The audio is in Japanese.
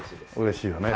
嬉しいよね